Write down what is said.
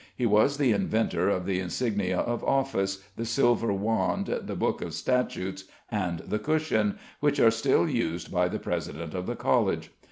He was the inventor of the insignia of office the silver wand, the Book of Statutes, and the cushion which are still used by the president of the College.